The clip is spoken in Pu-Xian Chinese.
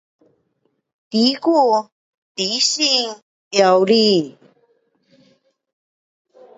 猪肝，猪心，腰子